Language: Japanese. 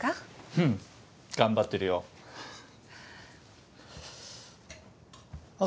うん頑張ってるよあっ